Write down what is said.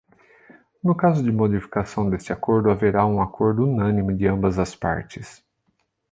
No caso de modificação deste acordo, haverá um acordo unânime de ambas as partes.